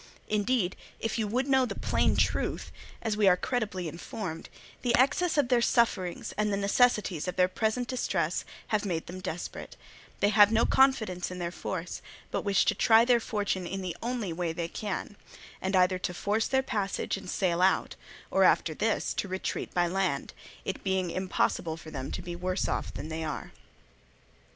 Indeed, if you would know the plain truth, as we are credibly informed, the excess of their sufferings and the necessities of their present distress have made them desperate; they have no confidence in their force, but wish to try their fortune in the only way they can, and either to force their passage and sail out, or after this to retreat by land, it being impossible for them to be worse off than they are.